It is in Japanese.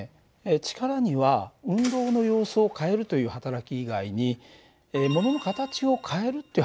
力には運動の様子を変えるというはたらき以外にものの形を変えるっていうはたらきがあったでしょ。